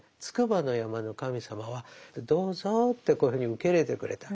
筑波の山の神様は「どうぞ」ってこういうふうに受け入れてくれた。